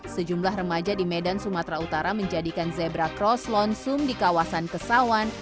sejumlah remaja di medan sumatera utara menjadikan zebra cross lonsum di kawasan kesawan